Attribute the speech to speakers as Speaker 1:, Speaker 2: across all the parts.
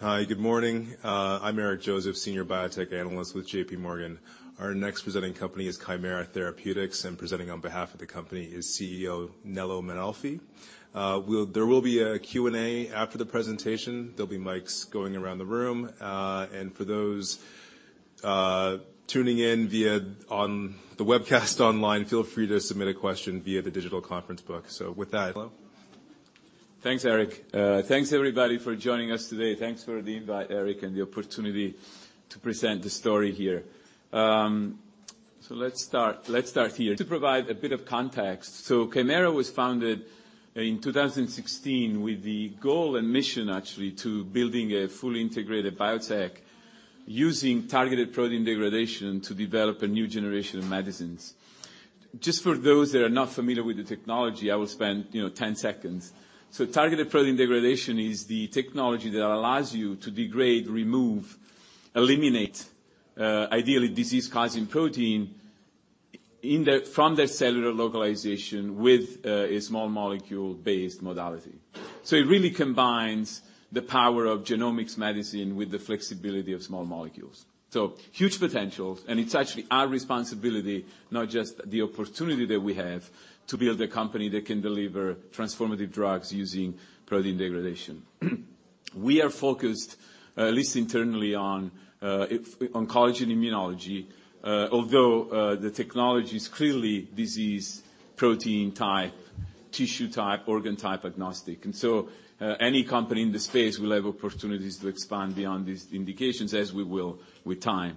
Speaker 1: Hi, good morning. I'm Eric Joseph, Senior Biotech Analyst with JPMorgan. Our next presenting company is Kymera Therapeutics. Presenting on behalf of the company is CEO Nello Mainolfi. There will be a Q&A after the presentation. There'll be mics going around the room, and for those tuning in via on the webcast online, feel free to submit a question via the digital conference book. With that, Nello.
Speaker 2: Thanks, Eric. Thanks everybody for joining us today. Thanks for the invite, Eric, and the opportunity to present the story here. Let's start here. To provide a bit of context, Kymera was founded in 2016 with the goal and mission actually to building a fully integrated biotech using targeted protein degradation to develop a new generation of medicines. Just for those that are not familiar with the technology, I will spend, you know, 10 seconds. Targeted protein degradation is the technology that allows you to degrade, remove, eliminate, ideally disease-causing protein from the cellular localization with a small molecule-based modality. It really combines the power of genomics medicine with the flexibility of small molecules. Huge potentials, and it's actually our responsibility, not just the opportunity that we have to build a company that can deliver transformative drugs using protein degradation. We are focused, at least internally, on oncology and immunology, although the technology is clearly disease, protein type, tissue type, organ type agnostic. Any company in this space will have opportunities to expand beyond these indications, as we will with time.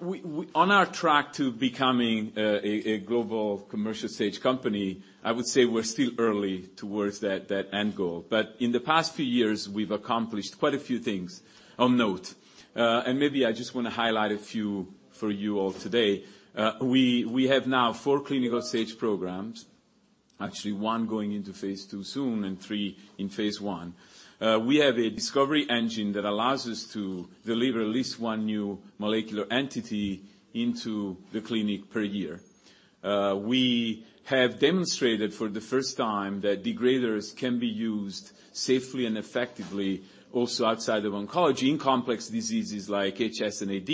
Speaker 2: We on our track to becoming a global commercial stage company, I would say we're still early towards that end goal. In the past few years, we've accomplished quite a few things of note. And maybe I just wanna highlight a few for you all today. We have now four clinical stage programs. Actually, one going into phase II soon and three in phase I. We have a discovery engine that allows us to deliver at least one new molecular entity into the clinic per year. We have demonstrated for the first time that degraders can be used safely and effectively also outside of oncology in complex diseases like HS and AD.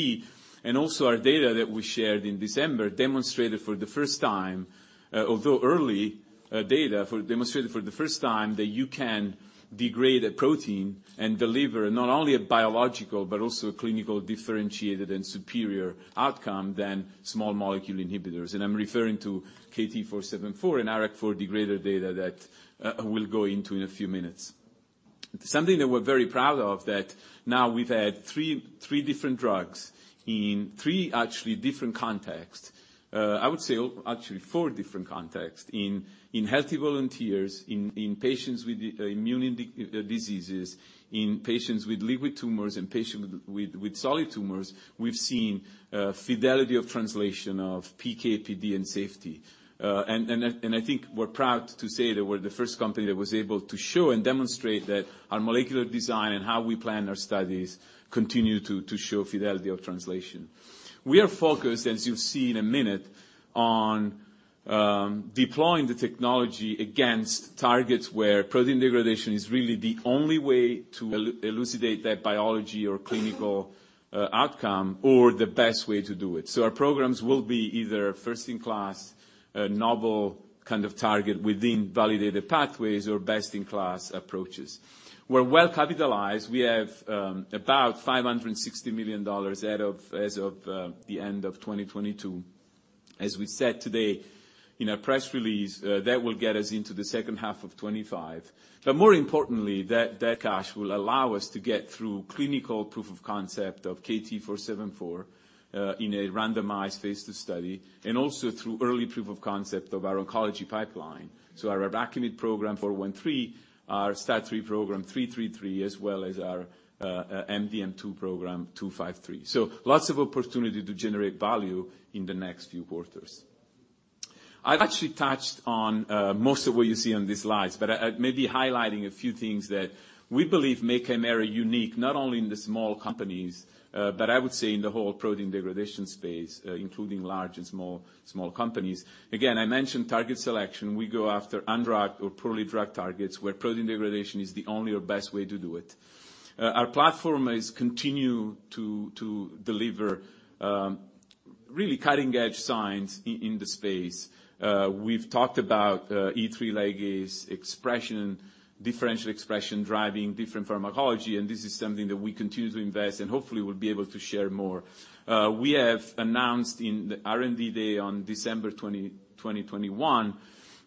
Speaker 2: Our data that we shared in December demonstrated for the first time, although early, that you can degrade a protein and deliver not only a biological, but also a clinical differentiated and superior outcome than small molecule inhibitors. I'm referring to KT-474 and IRAK4 degrader data that we'll go into in a few minutes. Something that we're very proud of that now we've had three different drugs in three actually different contexts. I would say actually four different contexts. In healthy volunteers, in patients with immune diseases, in patients with liquid tumors, in patients with solid tumors, we've seen fidelity of translation of PK, PD, and safety. I think we're proud to say that we're the first company that was able to show and demonstrate that our molecular design and how we plan our studies continue to show fidelity of translation. We are focused, as you'll see in a minute, on deploying the technology against targets where targeted protein degradation is really the only way to elucidate that biology or clinical outcome or the best way to do it. Our programs will be either first in class, a novel kind of target within validated pathways or best in class approaches. We're well-capitalized. We have about $560 million as of the end of 2022. As we said today in a press release, that will get us into the second half of 2025. More importantly, that cash will allow us to get through clinical proof of concept of KT-474 in a randomized phase two study, and also through early proof of concept of our oncology pipeline. Our IRAKIMiD program 413, our STAT3 program three three three, as well as our MDM2 program 253. Lots of opportunity to generate value in the next few quarters. I've actually touched on most of what you see on these slides. Maybe highlighting a few things that we believe make Kymera unique, not only in the small companies, but I would say in the whole protein degradation space, including large and small companies. I mentioned target selection. We go after undrugged or poorly drugged targets where protein degradation is the only or best way to do it. Our platform is continue to deliver really cutting-edge science in the space. We've talked about E3 ligase expression, differential expression driving different pharmacology. This is something that we continue to invest in, hopefully we'll be able to share more. We have announced in the R&D Day on December 20, 2021,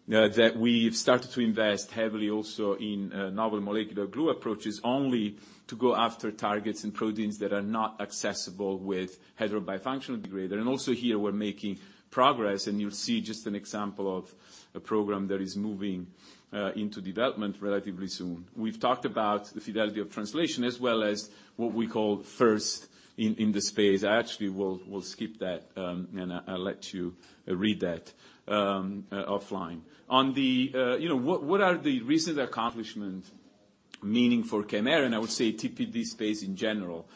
Speaker 2: that we've started to invest heavily also in novel molecular glue approaches, only to go after targets and proteins that are not accessible with heterobifunctional degrader. Also here, we're making progress, and you'll see just an example of a program that is moving into development relatively soon. We've talked about the fidelity of translation as well as what we call first in the space. I actually will skip that, and I'll let you read that offline. On the, you know, what are the recent accomplishments, meaning for Kymera, and I would say TPD space in general,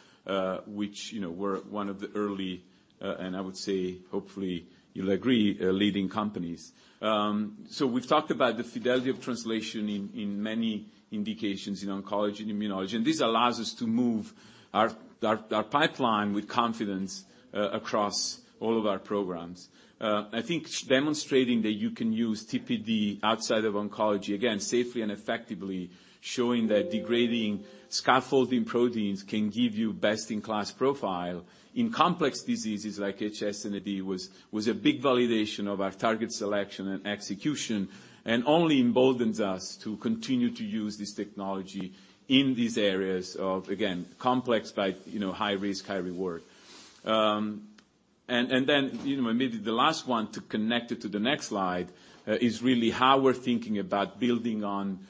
Speaker 2: which, you know, we're one of the early, and I would say, hopefully you'll agree, a leading companies. We've talked about the fidelity of translation in many indications in oncology and immunology. This allows us to move our, our pipeline with confidence across all of our programs. I think demonstrating that you can use TPD outside of oncology, again, safely and effectively, showing that degrading scaffolding proteins can give you best-in-class profile in complex diseases like HS and AD was a big validation of our target selection and execution, and only emboldens us to continue to use this technology in these areas of, again, complex but, you know, high risk, high reward. Then, you know, maybe the last one to connect it to the next slide, is really how we're thinking about building on,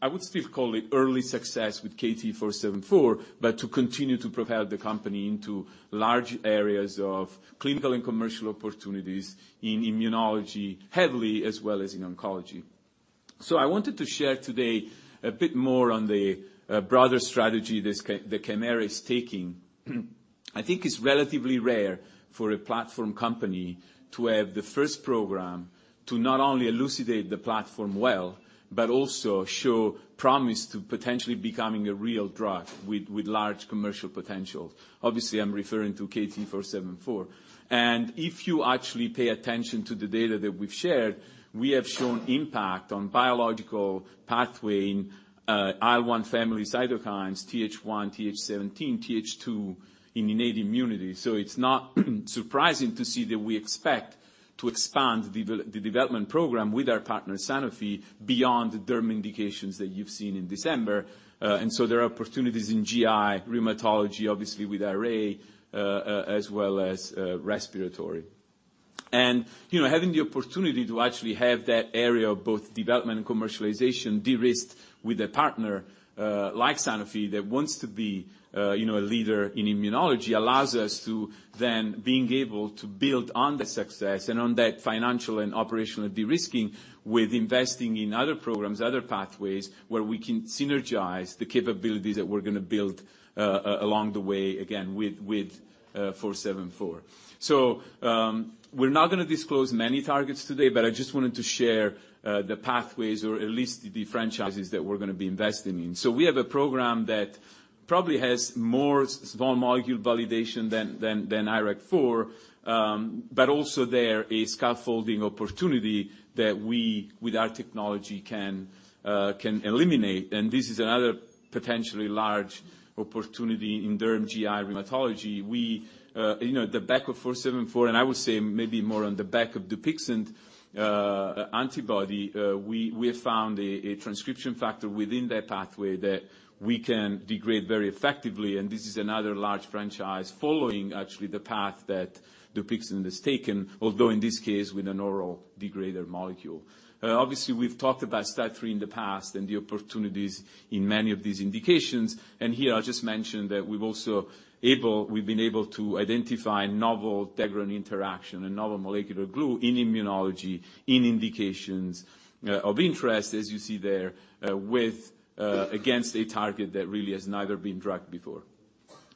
Speaker 2: I would still call it early success with KT-474, but to continue to propel the company into large areas of clinical and commercial opportunities in immunology heavily, as well as in oncology. I wanted to share today a bit more on the broader strategy that Kymera is taking. I think it's relatively rare for a platform company to have the first program to not only elucidate the platform well, but also show promise to potentially becoming a real drug with large commercial potential. Obviously, I'm referring to KT-474. If you actually pay attention to the data that we've shared, we have shown impact on biological pathway in IL-1 family cytokines, Th1, Th17, Th2 in innate immunity. It's not surprising to see that we expect to expand the development program with our partner, Sanofi, beyond the derm indications that you've seen in December. There are opportunities in GI, rheumatology, obviously with RA, as well as respiratory. You know, having the opportunity to actually have that area of both development and commercialization de-risked with a partner like Sanofi that wants to be, you know, a leader in immunology, allows us to then being able to build on the success and on that financial and operational de-risking with investing in other programs, other pathways, where we can synergize the capabilities that we're gonna build along the way, again, with KT-474. We're not gonna disclose many targets today, but I just wanted to share the pathways or at least the franchises that we're gonna be investing in. We have a program that probably has more small molecule validation than IRAK4, but also there a scaffolding opportunity that we, with our technology, can eliminate. This is another potentially large opportunity in derm GI rheumatology. You know, the back of 474, and I would say maybe more on the back of DUPIXENT antibody, we have found a transcription factor within that pathway that we can degrade very effectively, and this is another large franchise following actually the path that DUPIXENT has taken, although in this case with an oral degrader molecule. Obviously, we've talked about STAT3 in the past and the opportunities in many of these indications. Here I'll just mention that we've been able to identify novel integrin interaction and novel molecular glue in immunology, in indications of interest, as you see there, with against a target that really has never been drugged before.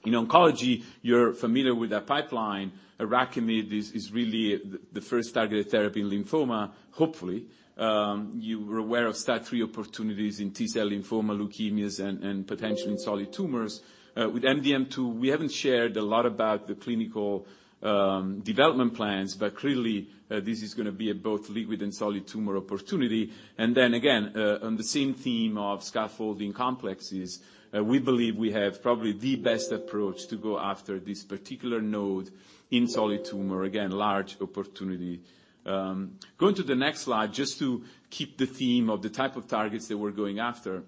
Speaker 2: In oncology, you're familiar with the pipeline. IRAKIMiD is really the first targeted therapy in lymphoma, hopefully. You were aware of STAT3 opportunities in T-cell lymphoma leukemias and potentially in solid tumors. With MDM2, we haven't shared a lot about the clinical development plans, but clearly, this is gonna be a both liquid and solid tumor opportunity. Again, on the same theme of scaffolding complexes, we believe we have probably the best approach to go after this particular node in solid tumor. Large opportunity. Going to the next slide, just to keep the theme of the type of targets that we're going after,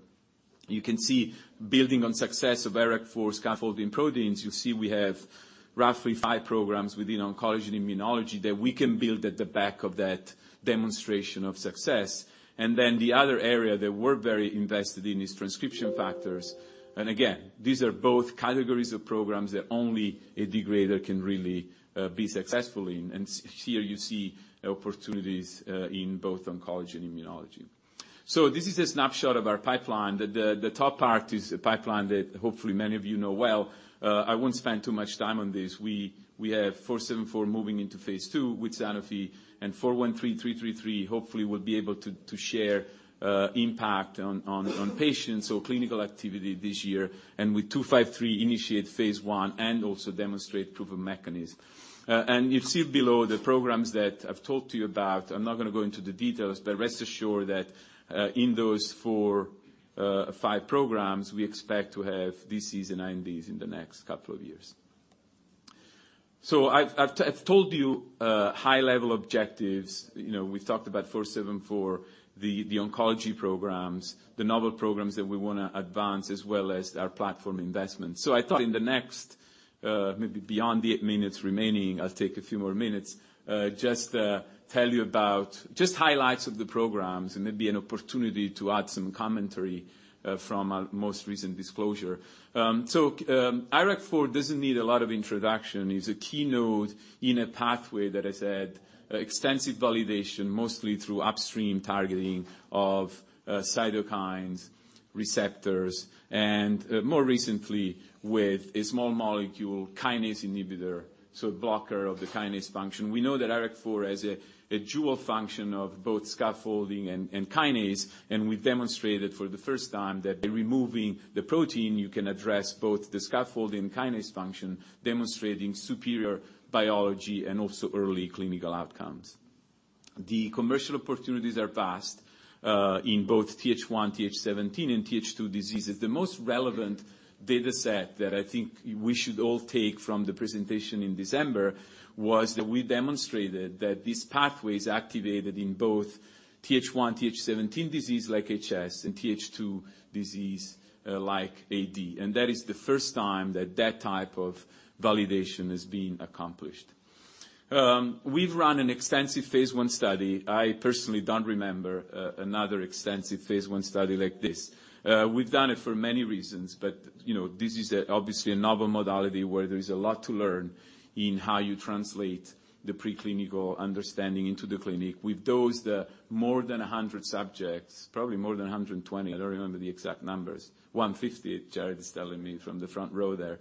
Speaker 2: you can see building on success of IRAK4 scaffolding proteins. You see we have roughly five programs within oncology and immunology that we can build at the back of that demonstration of success. The other area that we're very invested in is transcription factors. Again, these are both categories of programs that only a degrader can really be successful in. Here you see opportunities in both oncology and immunology. This is a snapshot of our pipeline. The top part is a pipeline that hopefully many of you know well. I won't spend too much time on this. We have 474 moving into phase 2 with Sanofi, and 413, 333 hopefully will be able to share impact on patients or clinical activity this year. With 253, initiate phase 1 and also demonstrate proof of mechanism. You see below the programs that I've talked to you about. I'm not gonna go into the details, but rest assured that in those four, five programs, we expect to have DCs and INDs in the next couple of years. I've told you high-level objectives. You know, we've talked about 474, the oncology programs, the novel programs that we wanna advance as well as our platform investment. I thought in the next, maybe beyond the 8 minutes remaining, I'll take a few more minutes, just tell you about just highlights of the programs and maybe an opportunity to add some commentary from our most recent disclosure. IRAK4 doesn't need a lot of introduction. It's a key node in a pathway that has had extensive validation, mostly through upstream targeting of cytokines, receptors, and more recently with a small molecule kinase inhibitor, so blocker of the kinase function. We know that IRAK4 has a dual function of both scaffolding and kinase, and we've demonstrated for the first time that by removing the protein, you can address both the scaffolding and kinase function, demonstrating superior biology and also early clinical outcomes. The commercial opportunities are vast in both Th1, Th17, and Th2 diseases. The most relevant data set that I think we should all take from the presentation in December was that we demonstrated that these pathways activated in both Th1 and Th17 disease like HS, and Th2 disease, like AD. That is the first time that that type of validation is being accomplished. We've run an extensive phase I study. I personally don't remember another extensive phase I study like this. We've done it for many reasons, but, you know, this is obviously a novel modality where there is a lot to learn in how you translate the preclinical understanding into the clinic. We've dosed more than 100 subjects, probably more than 120. I don't remember the exact numbers. 150, Jared is telling me from the front row there.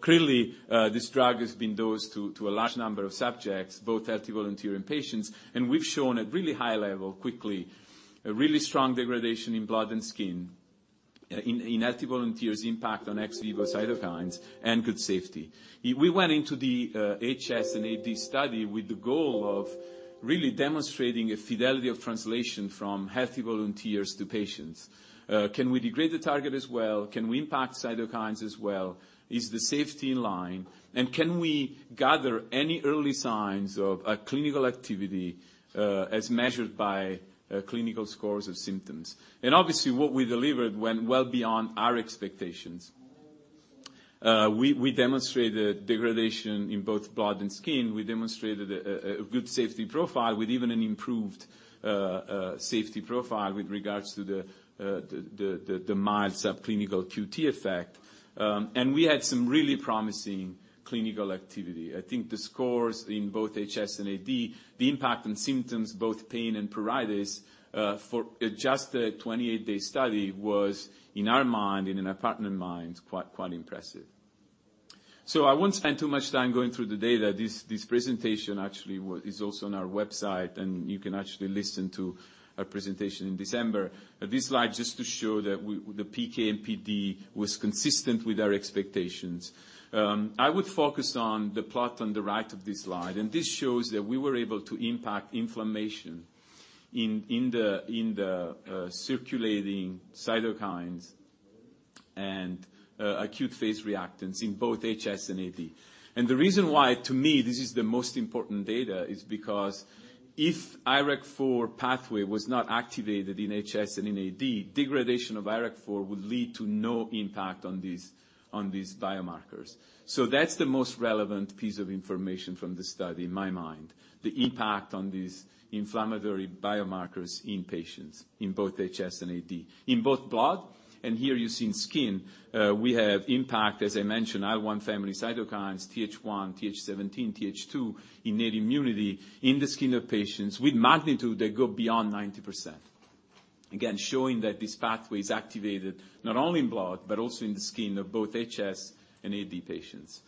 Speaker 2: Clearly, this drug has been dosed to a large number of subjects, both healthy volunteer and patients, and we've shown at really high level quickly, a really strong degradation in blood and skin, in healthy volunteers impact on ex vivo cytokines and good safety. We went into the HS and AD study with the goal of really demonstrating a fidelity of translation from healthy volunteers to patients. Can we degrade the target as well? Can we impact cytokines as well? Is the safety in line, and can we gather any early signs of a clinical activity, as measured by clinical scores or symptoms? And obviously, what we delivered went well beyond our expectations. We demonstrated degradation in both blood and skin. We demonstrated a good safety profile with even an improved safety profile with regards to the mild subclinical QT effect. We had some really promising clinical activity. I think the scores in both HS and AD, the impact on symptoms, both pain and pruritus, for just a 28-day study was, in our mind and in our partner minds, quite impressive. I won't spend too much time going through the data. This presentation actually is also on our website, and you can actually listen to our presentation in December. This slide just to show that the PK and PD was consistent with our expectations. I would focus on the plot on the right of this slide. This shows that we were able to impact inflammation in the circulating cytokines and acute phase reactants in both HS and AD. The reason why, to me, this is the most important data is because if IRAK4 pathway was not activated in HS and in AD, degradation of IRAK4 would lead to no impact on these biomarkers. That's the most relevant piece of information from this study in my mind, the impact on these inflammatory biomarkers in patients in both HS and AD. In both blood, here you see in skin, we have impact, as I mentioned, IL-1 family cytokines, Th1, Th17, Th2, innate immunity in the skin of patients with magnitude that go beyond 90%. Again, showing that this pathway is activated not only in blood but also in the skin of both HS and AD patients.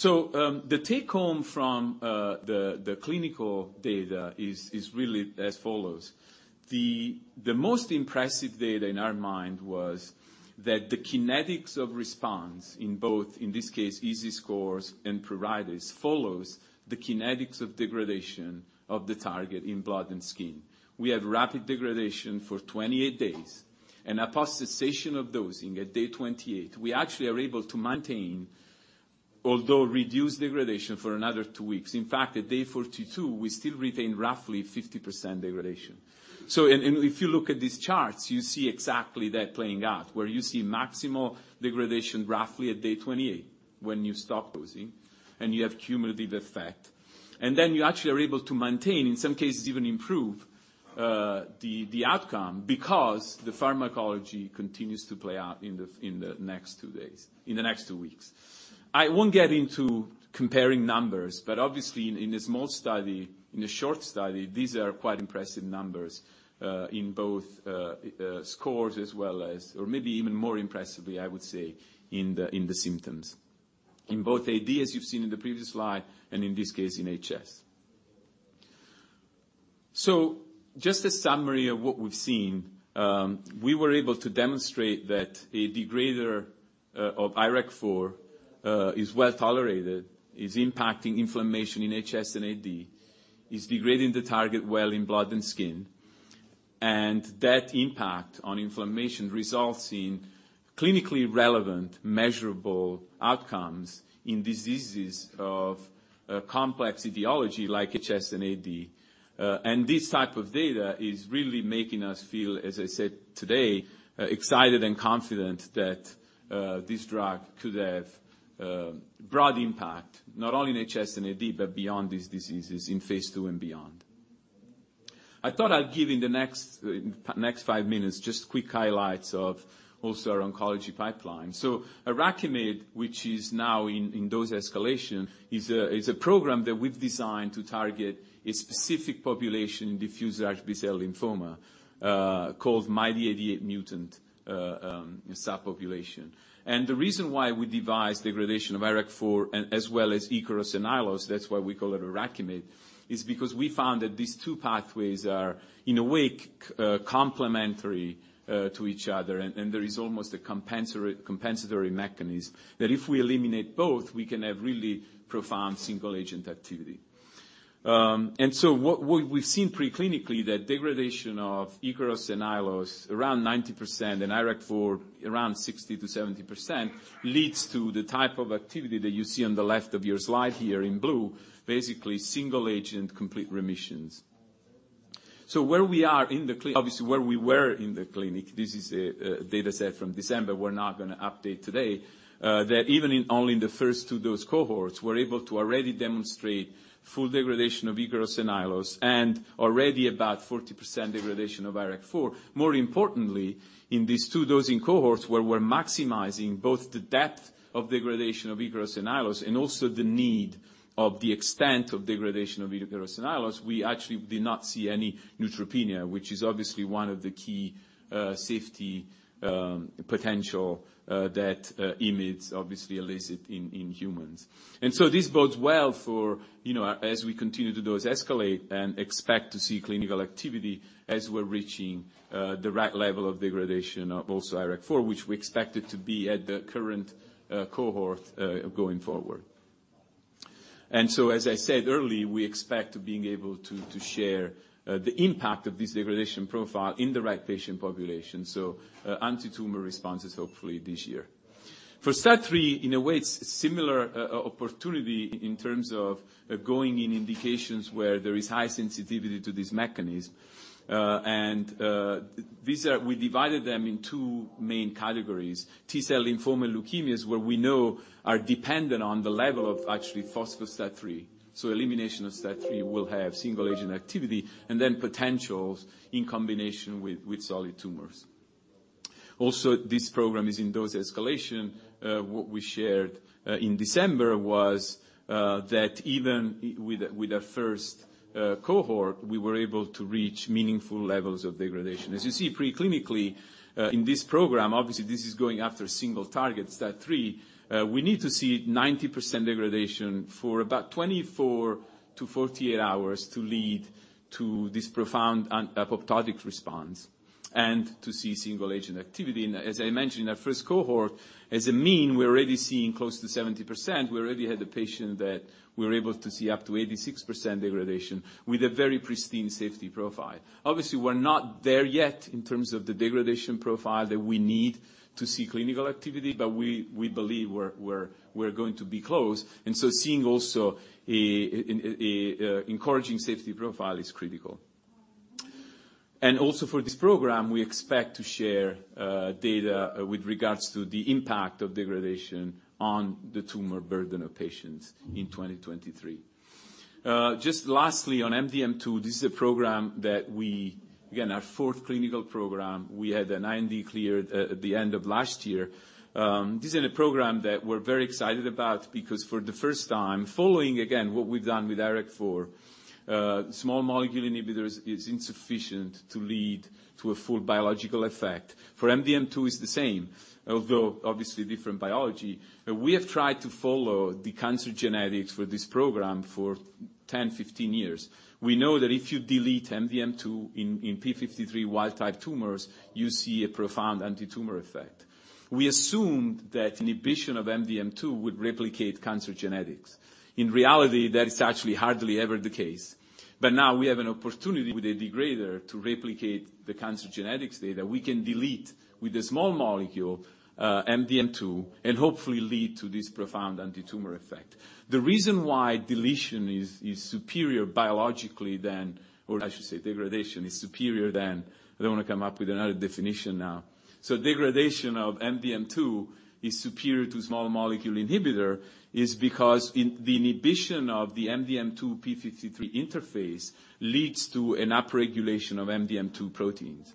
Speaker 2: The take-home from the clinical data is really as follows. The most impressive data in our mind was that the kinetics of response in both, in this case, EASi scores and pruritus, follows the kinetics of degradation of the target in blood and skin. We have rapid degradation for 28 days, and upon cessation of dosing at day 28, we actually are able to maintain, although reduce degradation for another two weeks. In fact, at day 42, we still retain roughly 50% degradation. If you look at these charts, you see exactly that playing out where you see maximal degradation roughly at day 28 when you stop dosing and you have cumulative effect. You actually are able to maintain, in some cases even improve, the outcome because the pharmacology continues to play out in the next two days, in the next two weeks. I won't get into comparing numbers, but obviously in a small study, in a short study, these are quite impressive numbers, in both scores as well as, or maybe even more impressively, I would say, in the symptoms. In both AD, as you've seen in the previous slide, and in this case in HS. Just a summary of what we've seen, we were able to demonstrate that a degrader of IRAK4 is well-tolerated, is impacting inflammation in HS and AD, is degrading the target well in blood and skin, and that impact on inflammation results in clinically relevant measurable outcomes in diseases of complex etiology like HS and AD. This type of data is really making us feel, as I said today, excited and confident that this drug could have broad impact, not only in HS and AD, but beyond these diseases in phase 2 and beyond. I thought I'd give in the next five minutes just quick highlights of also our oncology pipeline. IRAKIMiD, which is now in dose escalation, is a program that we've designed to target a specific population in diffuse large B-cell lymphoma, called MYD88 mutant subpopulation. The reason why we devised degradation of IRAK4 as well as IKAROS and Aiolos, that's why we call it IRAKIMiD, is because we found that these two pathways are in a way complementary to each other. There is almost a compensatory mechanism that if we eliminate both, we can have really profound single agent activity. What we've seen pre-clinically that degradation of IKAROS and Aiolos around 90% and IRAK4 around 60%-70% leads to the type of activity that you see on the left of your slide here in blue, basically single agent complete remissions. Where we are in the clinic, obviously, where we were in the clinic, this is a data set from December we're not gonna update today, that even in only in the first two dose cohorts, we're able to already demonstrate full degradation of IKAROS and Aiolos, and already about 40% degradation of IRAK4. More importantly, in these two dosing cohorts, where we're maximizing both the depth of degradation of IKAROS and Aiolos, and also the need of the extent of degradation of IKAROS and Aiolos, we actually did not see any neutropenia, which is obviously one of the key safety potential that IMiDs obviously elicit in humans. This bodes well for, you know, as we continue to dose escalate and expect to see clinical activity as we're reaching the right level of degradation of also IRAK4, which we expect it to be at the current cohort going forward. As I said early, we expect being able to share the impact of this degradation profile in the right patient population, so antitumor responses hopefully this year. For STAT3, in a way, it's similar opportunity in terms of going in indications where there is high sensitivity to this mechanism. We divided them in two main categories. T-cell lymphoma leukemias, where we know are dependent on the level of actually phospho STAT3. Elimination of STAT3 will have single agent activity, and then potentials in combination with solid tumors. This program is in dose escalation. What we shared in December was that even with a first cohort, we were able to reach meaningful levels of degradation. As you see pre-clinically, in this program, obviously, this is going after single targets STAT3, we need to see 90% degradation for about 24-48 hours to lead to this profound apoptotic response and to see single agent activity. As I mentioned, our first cohort, as a mean, we're already seeing close to 70%. We already had a patient that we're able to see up to 86% degradation with a very pristine safety profile. Obviously, we're not there yet in terms of the degradation profile that we need to see clinical activity, we believe we're going to be close. Seeing also an encouraging safety profile is critical. Also for this program, we expect to share data with regards to the impact of degradation on the tumor burden of patients in 2023. Just lastly, on MDM2, this is a program. Again, our fourth clinical program, we had an IND cleared at the end of last year. This is a program that we're very excited about because for the first time, following again what we've done with IRAK4, small molecule inhibitors is insufficient to lead to a full biological effect. For MDM2, it's the same, although obviously different biology. We have tried to follow the cancer genetics for this program for 10, 15 years. We know that if you delete MDM2 in P53 wild type tumors, you see a profound antitumor effect. We assumed that inhibition of MDM2 would replicate cancer genetics. In reality, that is actually hardly ever the case. Now we have an opportunity with a degrader to replicate the cancer genetics data. We can delete with a small molecule MDM2 and hopefully lead to this profound antitumor effect. The reason why deletion is superior biologically than or I should say degradation is superior than, I don't wanna come up with another definition now. Degradation of MDM2 is superior to small molecule inhibitor, is because in the inhibition of the MDM2-P53 interface leads to an upregulation of MDM2 proteins,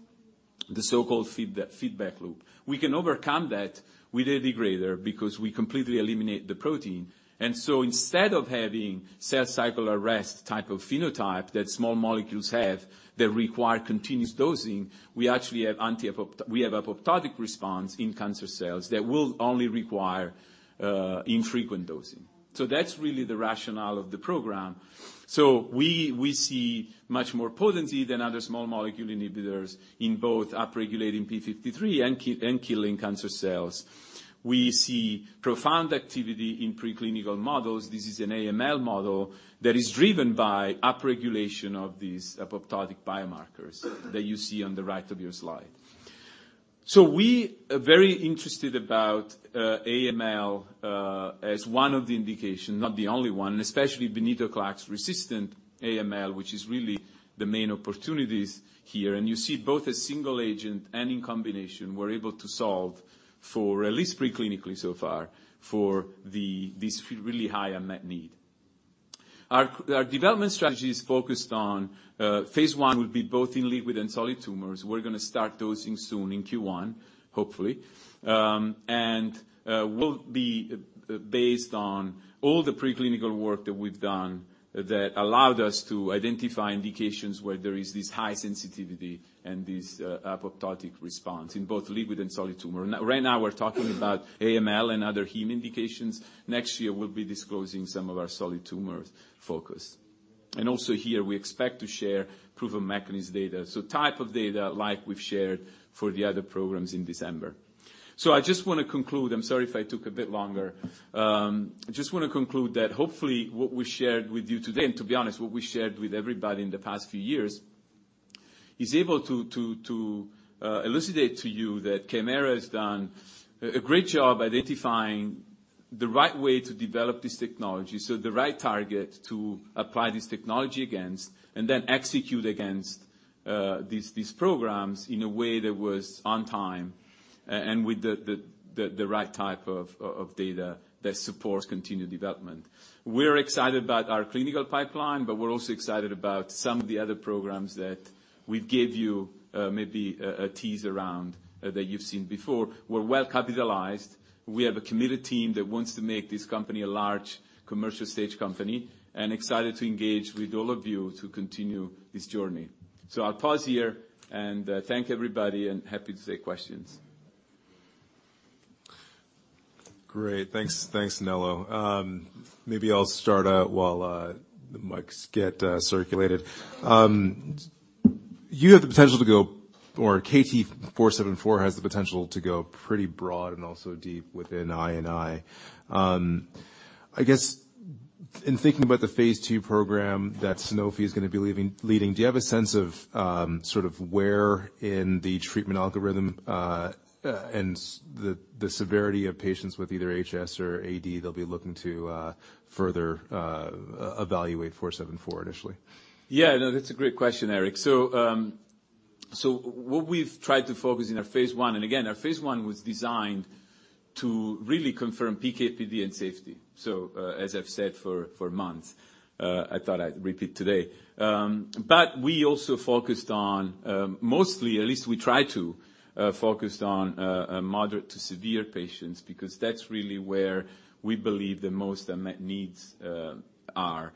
Speaker 2: the so-called feedback loop. We can overcome that with a degrader because we completely eliminate the protein. Instead of having cell cycle arrest type of phenotype that small molecules have that require continuous dosing, we actually have apoptotic response in cancer cells that will only require infrequent dosing. That's really the rationale of the program. We see much more potency than other small molecule inhibitors in both upregulating P53 and killing cancer cells. We see profound activity in preclinical models. This is an AML model that is driven by upregulation of these apoptotic biomarkers that you see on the right of your slide. We are very interested about AML as one of the indications, not the only one, and especially venetoclax-resistant AML, which is really the main opportunities here. You see both a single agent and in combination, we're able to solve for at least pre-clinically so far for this really high unmet need. Our development strategy is focused on phase one will be both in liquid and solid tumors. We're gonna start dosing soon in Q1, hopefully. Will be based on all the preclinical work that we've done that allowed us to identify indications where there is this high sensitivity and this apoptotic response in both liquid and solid tumor. Right now we're talking about AML and other heme indications. Next year, we'll be disclosing some of our solid tumor focus. Also here, we expect to share proof of mechanism data, so type of data like we've shared for the other programs in December. I just wanna conclude, I'm sorry if I took a bit longer. I just wanna conclude that hopefully what we shared with you today. To be honest, what we shared with everybody in the past few years is able to elucidate to you that Kymera has done a great job identifying the right way to develop this technology. The right target to apply this technology against, and then execute against these programs in a way that was on time and with the right type of data that supports continued development. We're excited about our clinical pipeline. We're also excited about some of the other programs that we gave you maybe a tease around that you've seen before. We're well-capitalized. We have a committed team that wants to make this company a large commercial stage company and excited to engage with all of you to continue this journey. I'll pause here and thank everybody and happy to take questions.
Speaker 1: Great. Thanks. Thanks, Nello. Maybe I'll start out while the mics get circulated. You have the potential to go or KT-474 has the potential to go pretty broad and also deep within I&I. I guess in thinking about the phase two program that Sanofi is gonna be leading, do you have a sense of sort of where in the treatment algorithm and the severity of patients with either HS or AD they'll be looking to further evaluate 474 initially?
Speaker 2: Yeah. No, that's a great question, Eric. What we've tried to focus in our phase 1, and again, our phase 1 was designed to really confirm PK, PD, and safety. As I've said for months, I thought I'd repeat today. We also focused on mostly, at least we try to, focused on moderate to severe patients because that's really where we believe the most unmet needs are.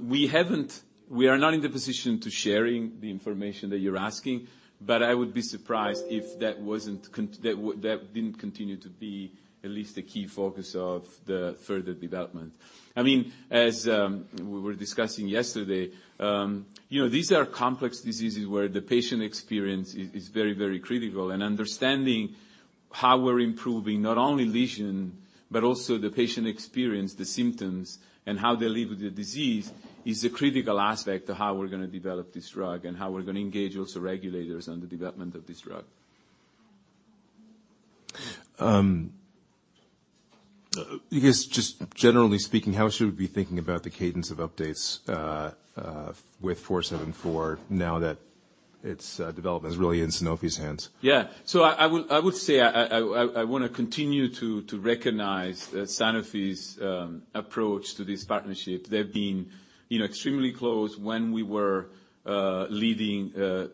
Speaker 2: We haven't. We are not in the position to sharing the information that you're asking, but I would be surprised if that wasn't that didn't continue to be at least a key focus of the further development. I mean, as we were discussing yesterday, you know, these are complex diseases where the patient experience is very, very critical. Understanding how we're improving not only lesion, but also the patient experience, the symptoms, and how they live with the disease is a critical aspect of how we're gonna develop this drug and how we're gonna engage also regulators on the development of this drug.
Speaker 1: I guess just generally speaking, how should we be thinking about the cadence of updates with KT-474 now that its development is really in Sanofi's hands?
Speaker 2: I would say I wanna continue to recognize Sanofi's approach to this partnership. They've been, you know, extremely close when we were leading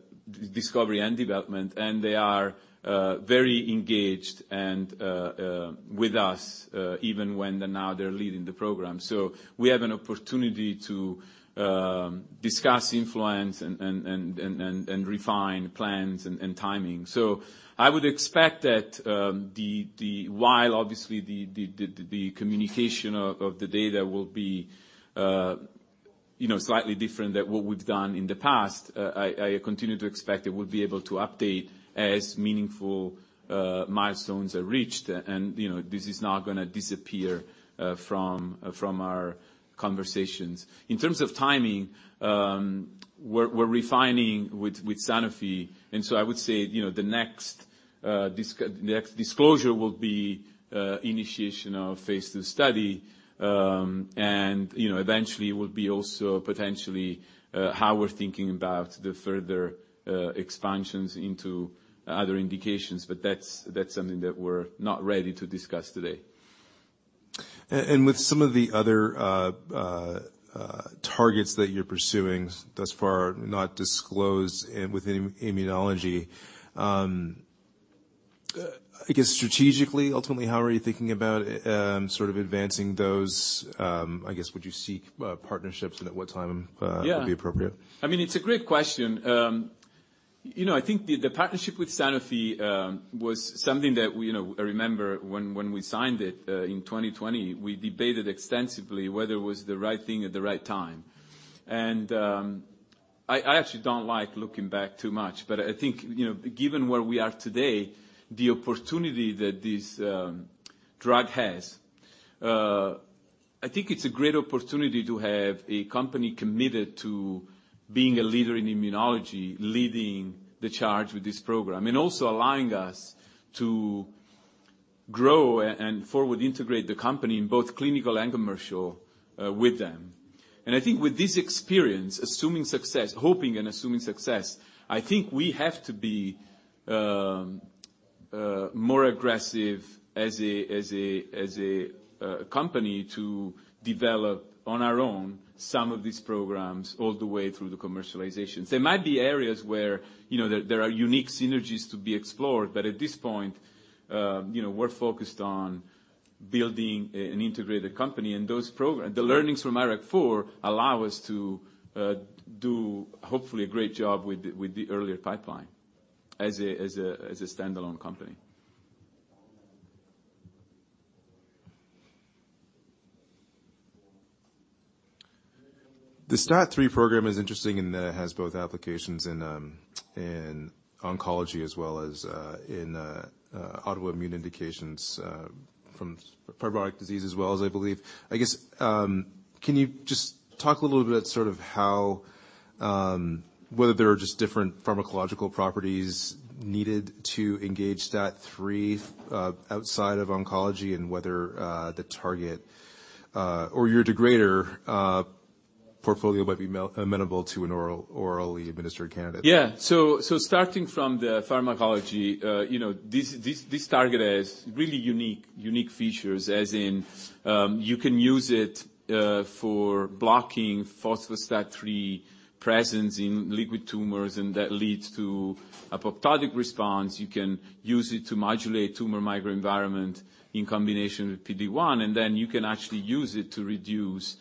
Speaker 2: discovery and development, and they are very engaged with us even when now they're leading the program. We have an opportunity to discuss influence and refine plans and timing. I would expect that the while obviously the communication of the data will be, you know, slightly different than what we've done in the past, I continue to expect that we'll be able to update as meaningful milestones are reached. You know, this is not gonna disappear from our conversations. In terms of timing, we're refining with Sanofi. I would say, you know, the next disclosure will be initiation of phase II study, and, you know, eventually will be also potentially how we're thinking about the further expansions into other indications, but that's something that we're not ready to discuss today.
Speaker 1: With some of the other, targets that you're pursuing thus far not disclosed within immunology, I guess strategically, ultimately, how are you thinking about, sort of advancing those? I guess would you seek, partnerships and at what time?
Speaker 2: Yeah.
Speaker 1: Would be appropriate?
Speaker 2: I mean, it's a great question. You know, I think the partnership with Sanofi was something that we, you know, I remember when we signed it in 2020, we debated extensively whether it was the right thing at the right time. I actually don't like looking back too much, but I think, you know, given where we are today, the opportunity that this drug has, I think it's a great opportunity to have a company committed to being a leader in immunology, leading the charge with this program, and also allowing us to grow and forward integrate the company in both clinical and commercial with them. I think with this experience, assuming success, hoping and assuming success, I think we have to be more aggressive as a company to develop on our own some of these programs all the way through the commercialization. There might be areas where, you know, there are unique synergies to be explored, but at this point, you know, we're focused on building an integrated company. The learnings from IRAK4 allow us to do hopefully a great job with the earlier pipeline as a standalone company.
Speaker 1: The STAT3 program is interesting in that it has both applications in in oncology as well as in autoimmune indications. From fibrotic disease as well as I believe. I guess, can you just talk a little bit sort of how whether there are just different pharmacological properties needed to engage STAT3 outside of oncology and whether the target or your degrader portfolio might be amenable to an orally administered candidate?
Speaker 2: Yeah. Starting from the pharmacology, you know, this target has really unique features as in, you can use it for blocking phospho-STAT3 presence in liquid tumors, that leads to apoptotic response. You can use it to modulate tumor microenvironment in combination with PD-1, then you can actually use it to reduce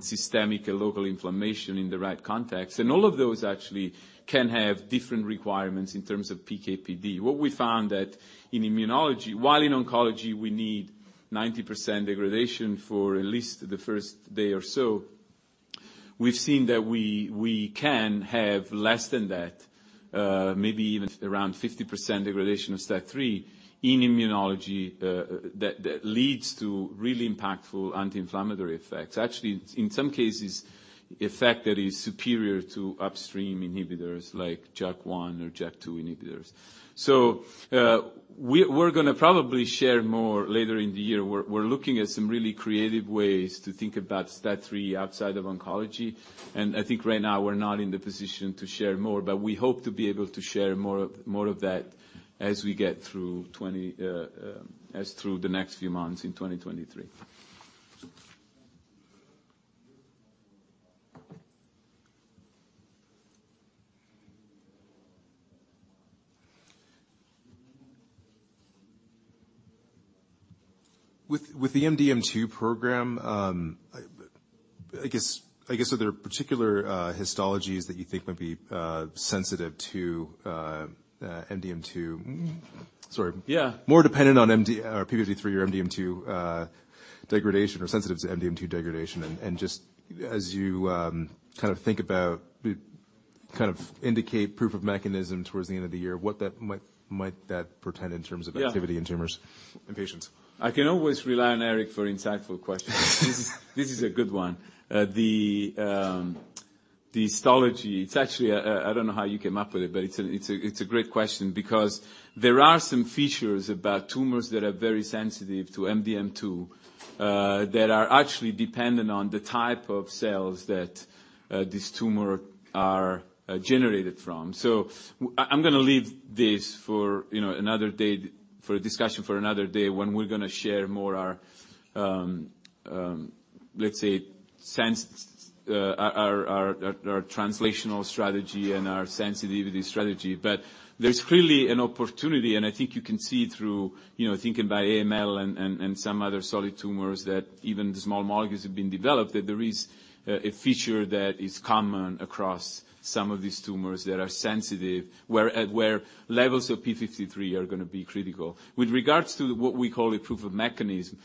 Speaker 2: systemic and local inflammation in the right context. All of those actually can have different requirements in terms of PKPD. What we found that in immunology, while in oncology we need 90% degradation for at least the first day or so, we've seen that we can have less than that, maybe even around 50% degradation of STAT3 in immunology, that leads to really impactful anti-inflammatory effects. Actually, in some cases, effect that is superior to upstream inhibitors like JAK1 or JAK2 inhibitors. We're gonna probably share more later in the year. We're looking at some really creative ways to think about STAT3 outside of oncology. I think right now we're not in the position to share more, but we hope to be able to share more of that as we get through the next few months in 2023.
Speaker 1: With the MDM2 program, I guess are there particular histologies that you think might be sensitive to MDM2? Sorry.
Speaker 2: Yeah.
Speaker 1: More dependent on P53 or MDM2 degradation or sensitive to MDM2 degradation. Just as you kind of indicate proof of mechanism towards the end of the year, what that might that portend in terms of-
Speaker 2: Yeah.
Speaker 1: activity in tumors and patients?
Speaker 2: I can always rely on Eric for insightful questions. This is a good one. The histology, it's actually I don't know how you came up with it, but it's a great question because there are some features about tumors that are very sensitive to MDM2, that are actually dependent on the type of cells that this tumor are generated from. I'm gonna leave this for, you know, another day, for a discussion for another day when we're gonna share more our translational strategy and our sensitivity strategy. There's clearly an opportunity, and I think you can see through, you know, thinking by AML and some other solid tumors that even the small molecules have been developed, that there is a feature that is common across some of these tumors that are sensitive, where levels of P53 are gonna be critical. With regards to what we call a proof of mechanism,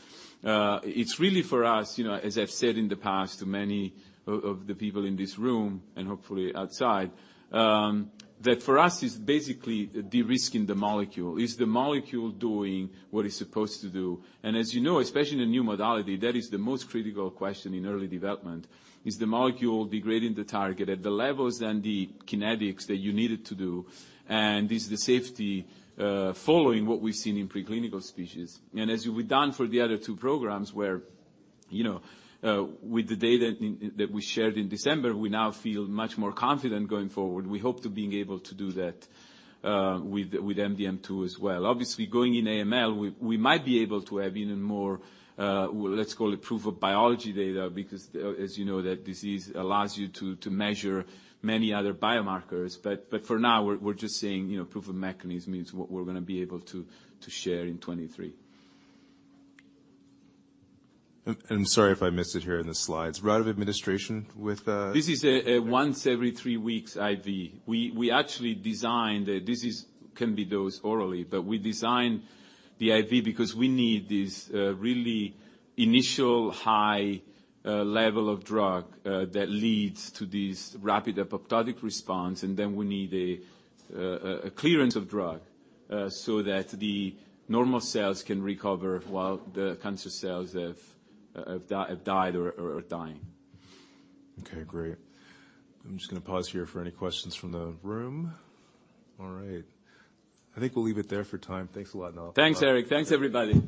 Speaker 2: it's really for us, you know, as I've said in the past to many of the people in this room and hopefully outside, that for us is basically de-risking the molecule. Is the molecule doing what it's supposed to do? As you know, especially in a new modality, that is the most critical question in early development. Is the molecule degrading the target at the levels and the kinetics that you need it to do? Is the safety following what we've seen in preclinical species? As we've done for the other two programs where, you know, with the data that we shared in December, we now feel much more confident going forward. We hope to being able to do that with MDM2 as well. Obviously, going in AML, we might be able to have even more, let's call it proof of biology data, because as you know, that disease allows you to measure many other biomarkers. For now, we're just saying, you know, proof of mechanism is what we're gonna be able to share in 2023.
Speaker 1: I'm sorry if I missed it here in the slides. Route of administration with.
Speaker 2: This is a once every three weeks IV. We actually designed this is can be dosed orally, but we designed the IV because we need this really initial high level of drug that leads to this rapid apoptotic response. Then we need a clearance of drug so that the normal cells can recover while the cancer cells have died or are dying.
Speaker 1: Okay, great. I'm just gonna pause here for any questions from the room. All right. I think we'll leave it there for time. Thanks a lot, Nello
Speaker 2: Thanks, Eric. Thanks, everybody.